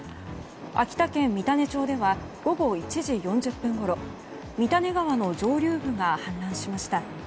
秋田県三種町では午後１時４０分ごろ三種川の上流部が氾濫しました。